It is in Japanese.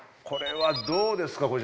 これはどうですか？